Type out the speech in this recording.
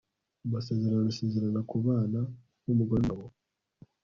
amasezerano, asezerana kubana nk'umugabo n'umugore. nyuma